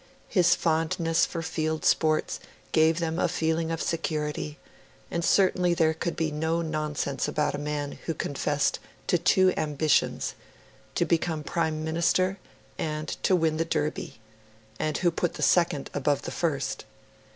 His fondness for field sports gave them a feeling of security; and certainly there could be no nonsense about a man who confessed to two ambitions to become Prime Minister and to win the Derby and who put the second above the first.